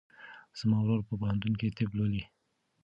زما ورور په پوهنتون کې طب لولي.